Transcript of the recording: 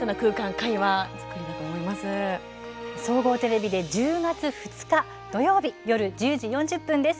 総合テレビで１０月２日土曜日、夜１０時４０分からです。